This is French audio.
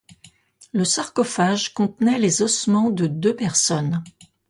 Le sarcophage contenait les ossements de deux personnes.